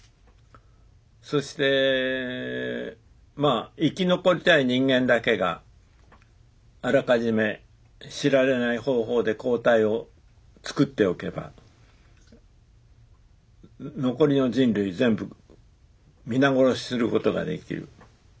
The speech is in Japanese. そして生き残りたい人間だけがあらかじめ知られない方法で抗体をつくっておけば残りの人類全部皆殺しすることができる。